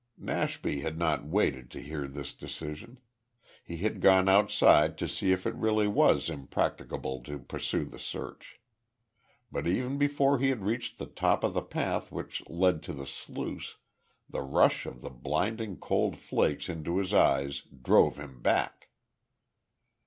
Nashby had not waited to hear this decision. He had gone outside to see if it really was impracticable to pursue the search. But even before he had reached the top of the path which led to the sluice, the rush of the blinding cold flakes into his eyes drove him back.